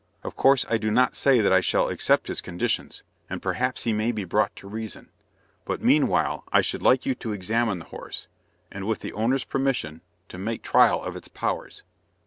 Of course I do not say that I shall accept his conditions, and perhaps he may be brought to reason, but meanwhile I should like you to examine the horse, and, with the owner's permission, to make trial of its powers."